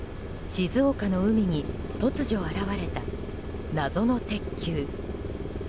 静岡の海に突如現れた謎の鉄球。